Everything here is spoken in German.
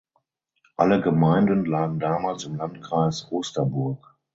Alle Gemeinden lagen damals im Landkreis Osterburg.